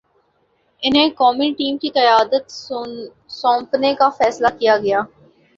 انہیں قومی ٹیم کی قیادت سونپنے کا فیصلہ کیا گیا۔